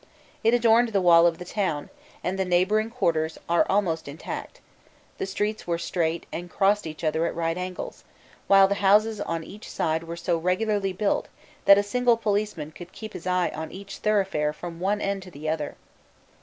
It adjoined the wall of the town, and the neighbouring quarters are almost intact: the streets were straight, and crossed each other at right angles, while the houses on each side were so regularly built that a single policeman could keep his eye on each thoroughfare from one end to the other.